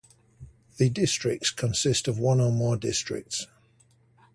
The districts consist of one or more districts.